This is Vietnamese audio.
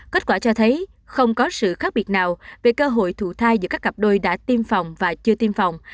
kết quả cho thấy không có sự khác biệt nào về cơ hội thụ thai giữa các cặp đôi đã tiêm phòng và chưa tiêm phòng